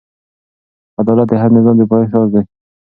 عدالت د هر نظام د پایښت راز دی.